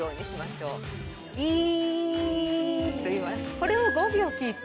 これを５秒キープ。